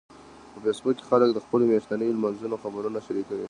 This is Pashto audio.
په فېسبوک کې خلک د خپلو میاشتنيو لمانځنو خبرونه شریکوي